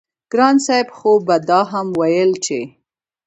ګران صاحب خو به دا هم وييل چې